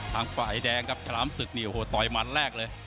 ทางฝ่ายแดงครับฉลามศึกนี่โอ้โหต่อยมันแรกเลย